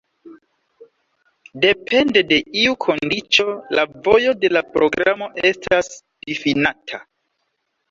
Depende de iu kondiĉo la vojo de la programo estas difinata.